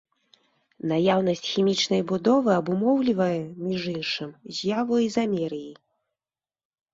Наяўнасць хімічнай будовы абумоўлівае, між іншым, з'яву ізамерыі.